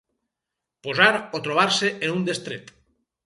Posar o trobar-se en un destret.